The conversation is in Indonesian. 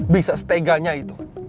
bisa seteganya itu